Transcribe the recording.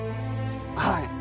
はい。